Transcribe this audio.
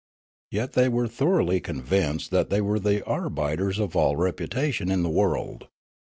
Yet they were thoroughly convinced that they were the arbiters of all reputation in the world.